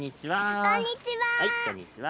こんにちは。